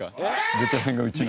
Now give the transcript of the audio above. ベテランがうちの。